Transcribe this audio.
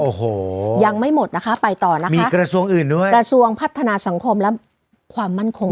โอ้โหยังไม่หมดนะคะไปต่อนะคะมีกระทรวงอื่นด้วยกระทรวงพัฒนาสังคมและความมั่นคง